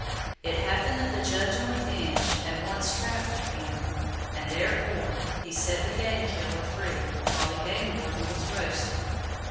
It happened that the judge on the bench had once trapped with him, and therefore "he set the game killer free, while the game warden was roasted."